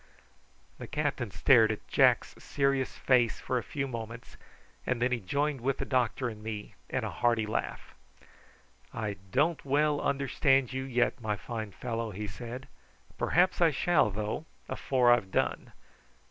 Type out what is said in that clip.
The captain stared at Jack's serious face for a few moments, and then he joined with the doctor and me in a hearty laugh. "I don't well understand you yet, my fine fellow," he said; "perhaps I shall, though, afore I've done.